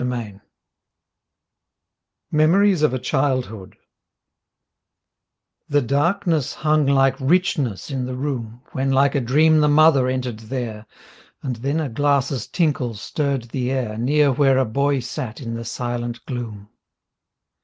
24 MEMORIES OF A CHILDHOOD The darkness hung Hke richness in the room When Hke a dream the mother entered there And then a glass's tinkle stirred the air Near where a boy sat in the silent gloom.